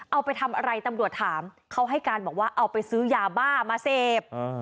เอาไปทำอะไรตำรวจถามเขาให้การบอกว่าเอาไปซื้อยาบ้ามาเสพ